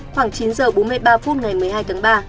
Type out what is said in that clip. khoảng chín h bốn mươi ba phút ngày một mươi hai tháng ba